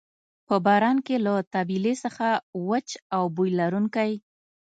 په باران کې له طبیلې څخه وچ او بوی لرونکی.